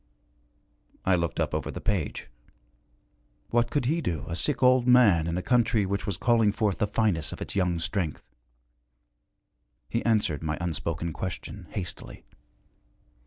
I looked up over the page. What could he do, a sick old man, in a country which was calling forth the finest of its young strength? He answered my unspoken question, hastily.